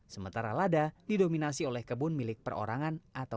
sementara lada didominasi oleh kelompok atau perusahaan besar